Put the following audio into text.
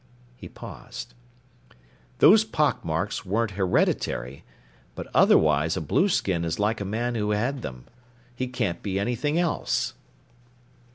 He paused. "Those pock marks weren't hereditary, but otherwise a blueskin is like a man who had them. He can't be anything else!"